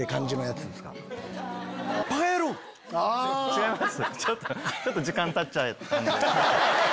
違います？